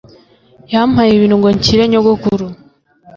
Yamaye ibintu ngo nshyire nyogokuru